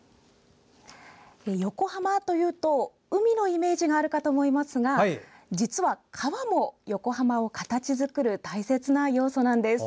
横浜というと海のイメージがあるかと思いますが実は川も、横浜を形作る大切な要素なんです。